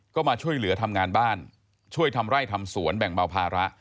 ก็มาช่วยเหลือทำงานบ้านช่วยทำไร่ทำสวนแบ่งเบาภาระ